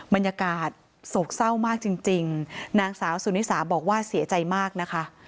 บรรยากาศโศกเศร้ามากจริงนางสาวสุนิสาบอกว่าเสียใจมากนะคะ